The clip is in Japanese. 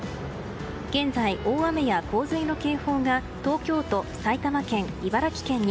現在、大雨や洪水の警報が東京都、埼玉県茨城県に。